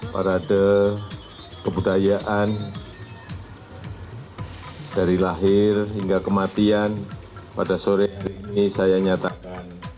parade kebudayaan dari lahir hingga kematian pada sore hari ini saya nyatakan